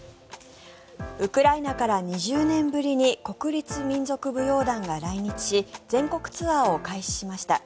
ウクライナから２０年ぶりに国立民族舞踊団が来日し全国ツアーを開始しました。